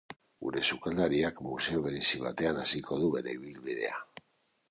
Gure sukaldariak museo berezi batean hasiko du bere ibilbidea.